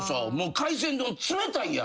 海鮮丼冷たいやん。